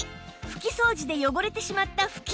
拭き掃除で汚れてしまった布巾も